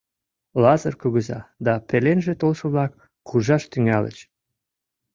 Лазыр кугыза да пеленже толшо-влак куржаш тӱҥальыч.